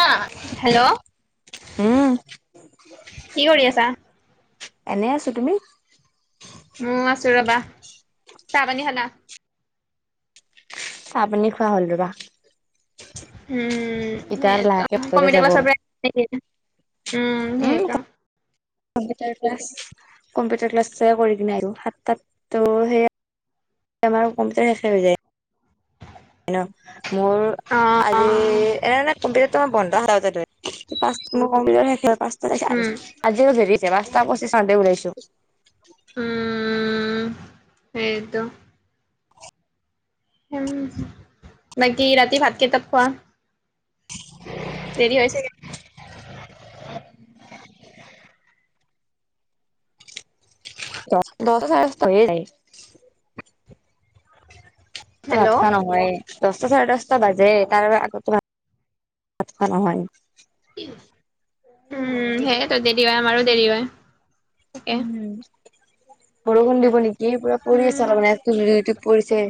[unintelligible] Hello উম কি কৰি আছা? এনে আছো তুমি? উম ' আছো ৰ'বা চাহ - পানী খালা? চাহ - পানী খোৱা হ'ল ৰবা। উম, সেই এতিয়া আৰু লাহেকে ভাতলে কম্পিউটাৰ যাব ক্লাছৰ পৰা, উম সেইয়টো। Computer class. কম্পিউটাৰ ক্লাছটোৱে কৰি কিনে আহিলো সাতটাততো সেইয়াই আমাৰ কম্পিউটাৰ শেষে হৈ যায়। মোৰ অ আজি এনেন কম্পিউটাৰ তো [unintelligible] পাঁচটা উম পঁচিছ হওঁতে ওলাইছো। উম সেইটো। বাকি ৰাতি ভাত কেইটাত খোৱা? দেৰি হৈ চাগে। দশটা চাৰে দশটা হৈয়ে যায়। তোৰ হেল্ল' ভাত খোৱা নহয় এই। দহটা চাৰে দহটা বাজে তাৰ আগতো ভাত খোৱা নহয়। উম, সেইয়ে তোৰো দেৰি হয় আমাৰো দেৰি হয়। তাকে উম, বৰষুণ দিব নেকি পুৰা পৰি উম আছে মেঘটো পৰিছে।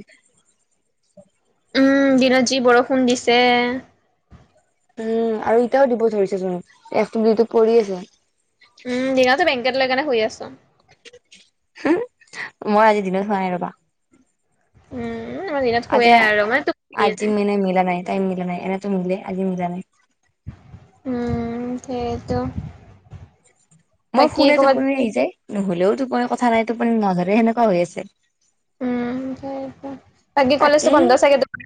উম, দিনত যি বৰষুণ দিছে। উম, আৰু এতিয়াও দিব ধৰিছে চোন একটোপ দুইটোপ পৰি আছে। উম, দিনতে ব্লেংকেট লৈ কেনে শুই আছো। মই আজি দিনত শুৱা নাই ৰবা। উম মই দিনত আজি শুৱে মাই আৰু মানে টোপনি আজি আহে মিনে মিলা নাই টাইম মিলা নাই এনেতো মিলে আজি মিলা নাই। উম, সেইতো। মই শুলে টোপনি আহি যায় নুশুলেও টোপনি কথা নাই টোপনি নধৰে সেনেকুৱা হৈ আছে। উম, হয়েতা বাকি কলেজটো বাকী বন্ধ চাগে তোমাৰ?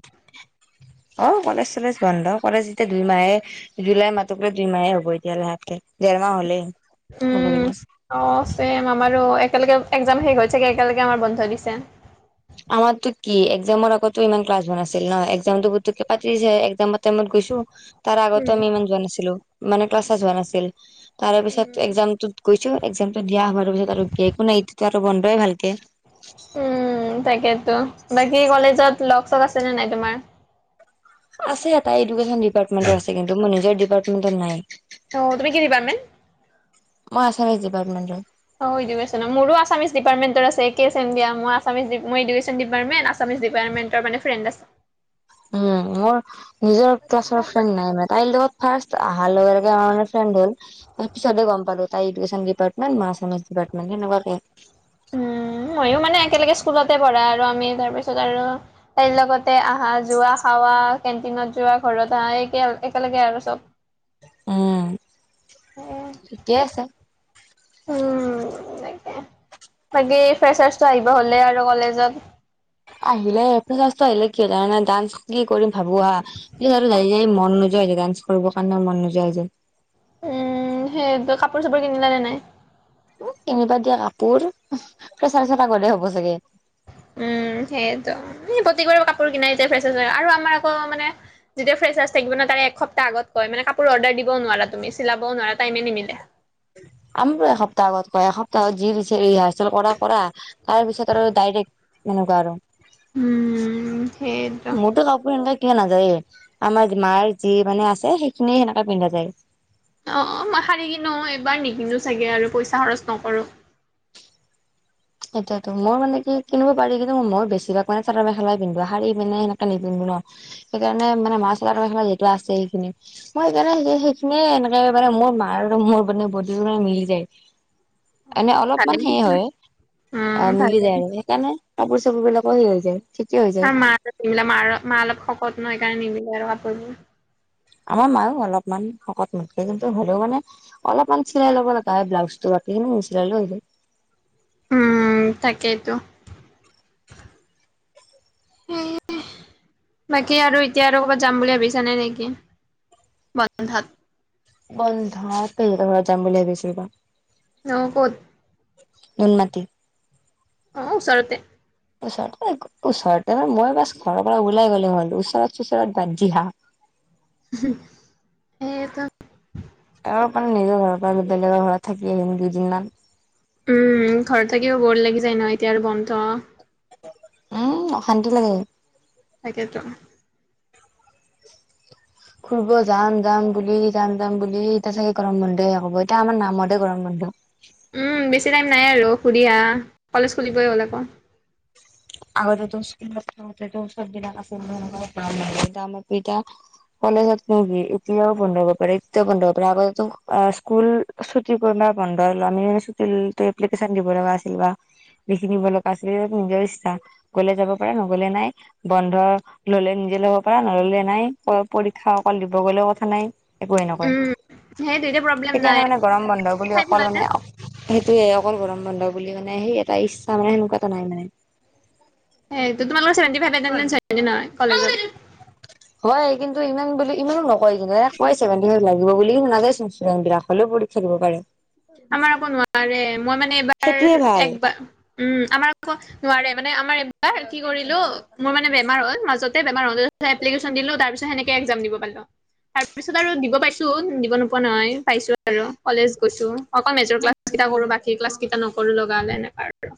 অ কলেজ চলেজ বন্ধ কলেজ যেতিয়া দুই মাহে জুলাই মাহটোক লৈ দুই মাহে হ'ব এতিয়া লাহেতকে দেৰ মাহ হ'লেই ক'ব উম গিলি। অ ছেম আমাৰো একেলগে একজাম শেষ হৈছেগে এতিয়ালেকে আমাৰ বন্ধ দিছে। আমাৰতো কি একজামৰ আগতো ইমান ক্লাছ হোৱা নাছিল ন একজামতো পুটোকে পাতি দিছে একজামত টাইমত গৈছো তাৰ উম আগতো আমি ইমান যোৱা নাছিলো মানে ক্লাছ চাচ হোৱা নাছিল। তাৰ উম পিছত একজামটোত গৈছো একজামটো দিয়া হোৱাৰ পিছত আৰু একো নাই এতিয়াটো আৰু বন্ধয়ে ভালকে। উম তাকে ত বাকী কলেজত লগ চগ আছেনে নাই তোমাৰ? আছে এটা এডুকেশ্যন ডিপাৰ্টমেণ্ট আছে কিন্তু মই নিজৰ ডিপাৰ্টমেন্টত নাই। অ তুমি কি ডিপাৰ্টমেন্ট? মই আছামিছ ডিপাৰ্টমেণ্টৰ। অ ইডোকেচন মোৰো আামিছ ডিপাৰ্টমেন্টৰ আছে একে ছেম দিয়া মই আছামিজ ডিপ মই education department Assamese department মানে ফ্ৰেণ্ড আছে। উ মৰ নিজৰ ক্লাছৰ ফ্ৰেণ্ড নাই মানে তাইৰ লগত ফাৰ্ষ্ট আহাৰ লগে লগে আমাৰ মানে ফ্ৰেণ্ড হ'ল, আমি পিছতে গম পালো তাই ইডোকেচন ডিপ- ৰ্টমেন্টৰ মাছিজ ডিপাৰ্টমেন্ট সেনেকুৱাকে উম ময়ো মানে একেলগে স্কুলতে পঢ়া আৰু আমি তাৰ পিছত আৰু তাইৰ লগতে আহা যোৱা খাৱা কেণ্টিনত যোৱা ঘৰত আহা এক একেলগে আৰু চব। উম ঠিকে আছে। উম বাকে বাকী ফেচাৰটো আহিব হ'লে আৰু কলেজত। আহিলে এপ্লিকাছটো আহিলে কিয় জানা ডান্স কি কৰিম ভাবো আ কি আৰু যাই যাই মন নোযোৱা হৈ যায় ডান্স কৰিব কাৰণেও মন নোযোৱা হৈ যায়। উম, সেয়েতো কাপোৰ চাপোৰ কিনিলা নে নাই? উম, কিনিবা দিয়া কাপোৰ, উহ ফ্ৰেছাৰ্ছৰ আগতহে হ'ব চাগে। উম, সে ত ই প্ৰতিগৰে কাপোৰ কিনাই তে ফ্ৰেচাৰ্ছৰ আৰু আমাৰ আক মানে যেতিয়া ফ্ৰেছাৰ্ছ থাকিব ন তাৰে এক সপ্তাহ আগত কয় মানে কাপোৰ অৰ্ডাৰ দিব নোৱাৰা তুমি চিলাবও নোৱাৰা টাইমে নিমিলে। আমাকো এসপ্তাহ আগত কয় এসপ্তাহ আগত যি দিছে ৰিহাৰ্চেল কৰা কৰা। তাৰ পিছত আৰু ডাইৰেক্ট তেনেকুৱা আৰু উম। সেইটো মোৰতো কাপোৰ সেনকা কিনা নাযায়ে আমাৰ মাৰ যি মানে আছে সেইখিনিয়ে সেনেকাে পিন্ধা যায়। অ অ মই শাৰি কিনো এইবাৰ নিকিনো চাগে আৰু পইচা খৰচ নকৰো। এতিয়াতো মই মানে কি কিনিব পাৰি কিন্তু মই বেছিভাগ মানে চাদৰ মেখেলাই পিন্ধো শাৰি পিনে সেনেকে নিপিন্ধো ন। সেইকাৰণে মানে [unintelligible] লেটোৱা আছে সেইখিনি মই সেইকাৰণে সে সেইখিনিয়ে এনেকে মানে মোৰ মাৰ আৰু মোৰ মানে বদি মানে মিলি যায়। এনে অলপমান ভালেই সেয় পিছে হয়। উম, অ মিলি ভালে যায় আৰু সেইকাৰণে কাপোৰ চাপোৰবিলাকো সে হৈ যায়। ঠিকে হৈ হা যায় মাৰ নিমিলে মাৰ মা অলপ শকত নহ সেইকাৰণে নিমিলে আৰ কাপোৰবোৰ আমাৰ মায়ো অলপমান শকত মাতে কিন্তু হ'লেও মানে অলপমান চিলাই ল'ব লগা হয় ব্লাউজটো বাকীখিনি নিচিলালো হৈ যায়। উম তাকেইতো সে বাকী আৰু এতিয়া আৰু ক'বাত যাম বুলি ভাবিছা নে কি কি বন্ধ বন্ধতেই তহতৰ ঘৰত যাম বুলি ভাবিছিলো বা অ ক'ত নুনমাটি অ ওচৰতে ওচৰতে ওচৰতে মানে মই বাচ ঘৰৰ পৰা ওলাই গ'লে হল ওচৰত ওচৰত বাদ দিয়া হুম এইটো আৰু মানে নিজৰ ঘৰৰ পৰা বেলেগৰ ঘৰত থাকি আহিম দুদিনমান উম ঘৰত থাকিও বৰ লাগি যায় ন এতিয়া আৰু বন্ধ উম অশান্তি লাগে তাকেইতো ফুৰিব যাম যাম বুলি যাম যাম বুলি এতিয়া চাগে গৰম বন্ধ শেষ হব এতিয়া আমাৰ নামতে গৰম বন্ধ উম বেছি টাইম নাই আৰু সুধি আহ কলেজ খুলিবই হ'ল আকৌ আগতেটো স্কুলত থাকোঁতেটো চব দিনা আ [unintelligible] কলেজত কি এতিয়াও বন্ধ হ'ব পাৰে এতিয়াও বন্ধ হব পাৰে আগতেটো স্কুল ছুটি কৰিব বন্ধ ল আমি এপ্লিকেশন দিব লগা আছিল বা লিখি দিব আছিল নিজৰ ইচ্ছা গলে যাব পাৰে নগলে নাই বন্ধ ললে নিজে ল'ব পাৰা নললে নাই পৰীক্ষা অকল দিব গ'লেও কথা নাই। একোৱে নকয় উম, সেইটো এতিয়া প্ৰব্লেম নাই সেইকাৰণে মানে গৰম বন্ধ বুলি খাই অকল পেলাই নে মানে সেইটোয়ে অকল গৰম বন্ধ বুলি মানে সেই এটা ইচ্ছা মানে সেনেকুৱা এটা নাই মানে। সেইটো তোমালোকে চেভেনটি ফাইভ এটেনচন কলেজত। কয় কিন্তু ইমান বুলি ইমানো নকয় কিন্তু কয় চেভেনটি ফাইভ লাগিব বুলি কি নাযায় চোন ইচন্ডোদেন বিলাক হলেও প পৰিক্ষা দিব পাৰে। আমাৰ আকৌ নোৱাৰে মই মানে এইবাৰ সেইটোয়ে ভাল। একবাৰ উম আমাৰ আকৌ নোৱাৰে মানে আমাৰ এইবাৰ কি কৰিলো মোৰ মানে বেমাৰ হ'ল মাজতে বেমাৰ হল এপ্লিকেশন দিলো তাৰ পিচত সেনেকে একজাম দিব পালো তাৰ পিছত আৰু দিব পাইছো দিব নোপোৱা নহয় পাইছো আৰু কলেজ গৈছো অকল মেজৰ ক্লাছ কেইটা কৰো বাকী ক্লাছ কেইটা নকৰো লগা হলে এনেকুৱা আৰু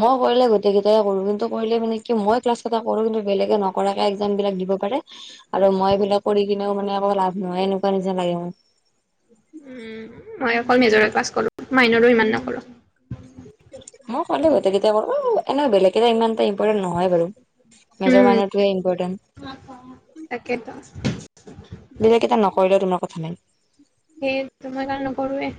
মই কৰিলে গোটেইকেইটাই কৰো কিন্তু কৰিলে মানে কি মই ক্লাছ কেইটা কৰো কিন্তু বেলেগে নকৰাকে একজাম বিলাক দিব পাৰে আৰু মই এইবিলাক কৰি কিনেও মানে আকৌ লাভ নহয় এনেকুৱা নিচনা লাগে মোৰ উম মই অকল মেজৰ ক্লাছ কৰো মাইনৰো ইমান নকৰো মই কৰিলে গোটেইকেইটা কৰো এনেই বেলেগে কেইটা ইমান ইম্পৰটেণ্ট নহয় বাৰু মেজৰ উম মানে এইটোৱে ইম্পৰটেণ্ট তাকেতো বেলেগ কেইটা নকৰিলেও তোমাৰ কথা নাই সেই মই সেইকাৰণে নকৰোৱে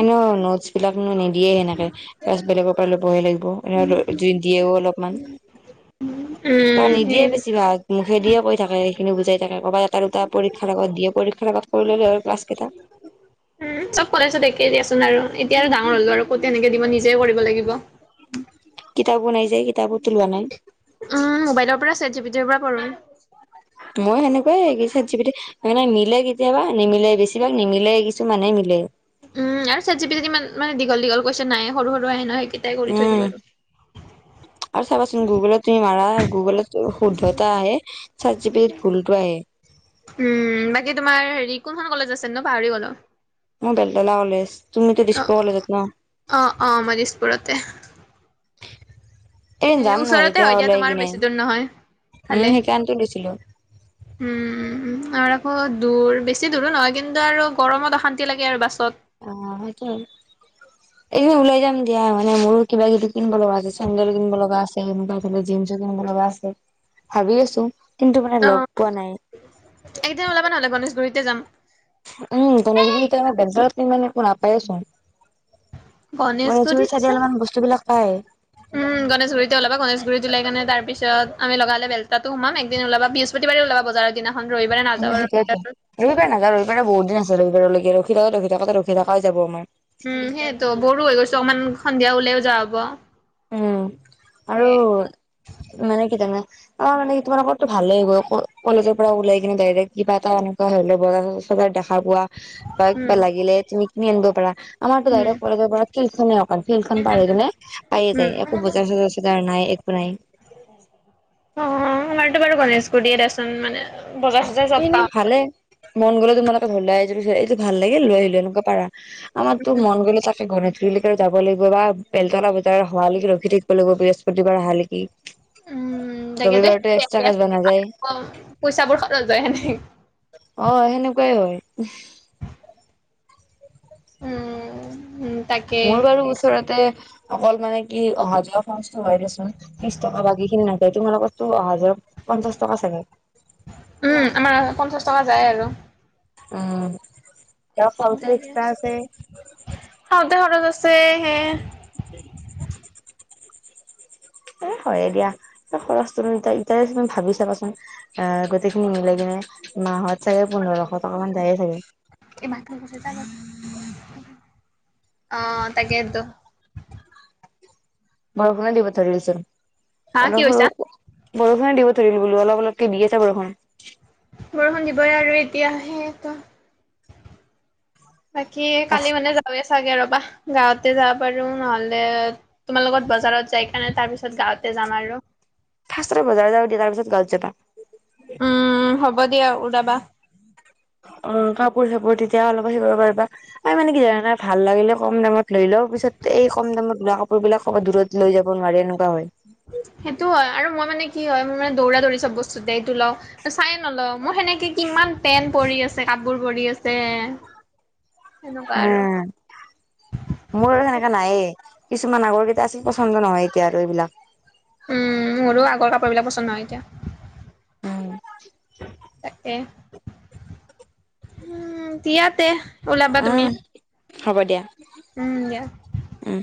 এনেও নোটচ বিলাক নি দিয়ে সেনেকে জাচ বেলেগৰ পৰা ল'বহে লাগিব এ দিয়েও অলপমান। ত উম নিদিয়ে সেই বেছি ভাগ। মুখে দিয়ে কৈ থাকে সেইখিনি বুজাই থাকে কৰবাত এটা দুটা পৰীক্ষাৰ আগত দিয়ে পৰীক্ষাৰ আগত কৰি ল'লে হয় ক্লাছ কেইটা। [unintelligible] উম চব কলেজত একেই দিয়াচোন আৰু এতিয়া আৰু ডাঙৰ হ'লো আৰু ক'ত এনেকে দিব নিজে কৰিব লাগিব। কিতাপো নাই যে কিতাপতো লোৱা নাই। উম মোবাইলৰ পৰা চেভ জিটিৰ পৰা পঢ়ো। মই সেনেকুৱাই চেভজিবিতি সেই মানে মিলে কেতিয়াবা নিমিলে বেছিভাগ নিমিলে কিছুমানে মিলে। উম, আৰু চাৰ্জিফে ইমান মানে দীঘল দীঘল কছে নাই সৰু সৰু আহে নহ সেইকেইটাই কৰি থৈ উম দিওঁ আৰু। আৰু চাবাচোন গুগলত তুমি মাৰা গুগলত শুদ্ধতা আহে। চাৰজিবি ভুল ফুলটো আহে। উম, বাকী তোমাৰ হেৰি কোনখন কলেজ আছে ন' পাহৰি গলো? মোৰ বেলতৰা কলেজ তুমি ডিছপ্'ললে যাত ন? অঁ', অঁ' ধিজপুৰতে। এন এ যাম নহয় ওচৰতে এতিয়া হয় দিয়া ওলাই তোমাৰ কিনে, বেছি দূৰ নহয়। উম ভালে সেইকাৰণটো লৈছিলো। উম', আৰু আকৌ দূৰ বেছি দূৰো নহয় কিন্তু আৰু গৰমত অশান্তি লাগে আৰু বাছত। অ' সেইটো এদিনি উওলাই যাম দিয়া মানে মোৰত কিবা কিবি কিনিব লগা আছে চন্দেল কিনিব লগা আছে এনেকুৱা ধ লগা আছে, ভাবি আছো কিন্তু মানে লগ অ', পোৱা নাই। একদিন ওলাবা নহ'লে গণেশগুৰিতে যাম। উম, গণজগৰি আমাৰ বেজাৰতমানে একো নাপায়েই চোন। মানে জুই গণেশগুৰিত চাইড যাম অলপমান বস্তু বিলাক পায়। উম'। গণেশগুৰি ওলা গেশুত লাইনে তাৰিছত আম লগালে বেলতা সোমাম একদিন ওলাব বৃহস্পতিবাৰে ওলাব বজাত। সদিনাখন ৰ সেইটটো। ৰবিবাৰ নাগা ৰবিবাৰে বহু দিন আছে ৰবিবাৰলৈকে ৰখি থাকে ৰখি থাকতে ৰখি থাকাই যাবমাৰ। উম, সেইয়েতো বৰুো হৈ গৈছো অকণমান সন্ধিয়া ওলাইও যোৱা হ'ব। উম'। তাকে। মনে কি জানা - অ তোমাৰ লোকতো ভালে গৈ কলেজৰ পৰা ওলাই কিনে দাইৰেক কিবা এটা এনেকুৱা হলে - দেখা পোৱা বা কিবা উম, লাগিলে তুমি কিনি আনিব পাৰা। আমাৰতটো উম, দাইৰেক কৰে দ প চিলখ অ চিলখন পাৰি দনে- উম, একো বজাৰ চজাৰ চজাৰ নাই একো নাই। অ আমাৰতো বাৰু কলেশ গুৰিত আচোন মানে- বজাৰ চজাৰ চব এনেই পাওঁ আৰু ভালে মন গ'লে তোমালোকে ধৰলে এইটো ভাল লাগিল লৈ আহিলো এনেকুৱা পাৰা। আমাৰতো মন গ'লে তাকে ঘণিত্ৰীলৈকে যাব লাগিব বা বেলতলা ব- তাৰ হোৱালৈকে ৰখি থাকিব লাগিব বৃহস্পতিবাৰ অহা লৈকে। উম তাকে দেই নাযায় পইচাবোৰ সতত যায় সেনেক- অ সেনেকুৱাই হয়। উম ', উম, তাকে মোৰ বাৰু ওচৰতে অকল মানে কি অহা যোৱা খৰচটো হয় দেচোন ত্ৰিছ টকা বাকী খিনি নাযায় তোমাৰ লগোকতো অহা যোৱা পঞ্চাশ টকা চাগে। উম, আমাৰ পঞ্চাশ টকা যায় আৰু। উম, ক পওঁতে এক্সট্ৰা আছে। সাওঁতে সৰত আছে সে- [unintelligible] এ হয় দিয়া, খৰচটোনো এতিয়াই তুমি ভাবি চাবাচোন? অ গোটেইখিনি মিলাই কিনে মাহত- [unintelligible] চাগে পোন্ধৰশ টকা মান যায়ে চাগে [unintelligible] অ' তাকেইতো। বৰষুণে দিব ধৰিছে, হা কি অলপ সৰু কৈছা? বৰষুনে দিব ধৰিল বোলো, অলপ অলপকে দি আছে বৰষুণ। বৰষুণ দিবই আৰু এতিয়া, সেয়েইতো। বাকী কালি মানে যাৱওঁগে চাগে ৰ'বা, গাঁৱতে যাব পাৰোঁ নহ'লে তোমাৰ লগত বজাৰত যাই কেনে তাৰপিছত গাঁৱতে যাম আৰু। ফাষ্টতে বজাৰ যাওঁ দিয়া তাৰপিছত ঘৰত যাবা। উম, হ'ব দিয়া, ওলাবা। অ' কাপোৰ চাপোৰ তেতিয়া অলপ শিকিব পাৰিবা, মানে কি জানানে ভাল লাগিলে কম দামত লৈ লওঁ পিছত এই কম দামত লোৱা কাপোৰবিলাক ক'বা দূৰত লৈ যাব নোৱাৰে এনেকুৱা হয়। সেইটো হয় আৰু মই মানে কি হয়, মোৰ মানে দৌৰা দৌৰি চব বস্তুতে এইটো লওঁ, চাই নলওঁ। মোৰ সেনেকে কিমান পেন্ট পৰি আছে, কাপোৰ পৰি আছে। সেনেকুৱা হে, আৰু। মোৰ আৰু সেনেকা নায়েই। কিছুমান আগৰ কেইটা আছিল পচন্দ নহয় এতিয়া আৰু এইবিলাক। উম, মোৰো আগৰ কাপোৰবিলাক পচন্দ নহয় এতিয়া। উম। তাকে। উ, দিয়াতে ওলাবা তুমি। উম, হ'ব দিয়া। উম, দিয়া। উম।